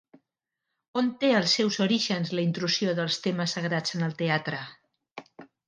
On té els seus orígens la intrusió dels temes sagrats en el teatre?